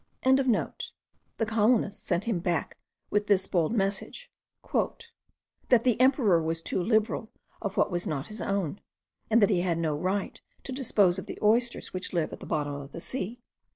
The colonists sent him back with this bold message: "That the emperor was too liberal of what was not his own, and that he had no right to dispose of the oysters which live at the bottom of the sea."